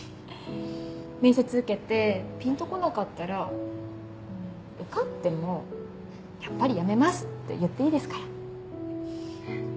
面接受けてピンと来なかったらうん受かっても「やっぱりやめます」って言っていいですから。